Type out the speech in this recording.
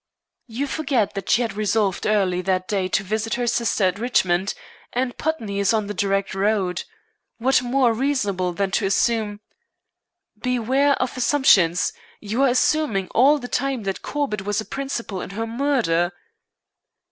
"You forget that she had resolved early that day to visit her sister at Richmond, and Putney is on the direct road. What more reasonable than to assume " "Beware of assumptions! You are assuming all the time that Corbett was a principal in her murder."